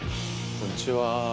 こんにちは。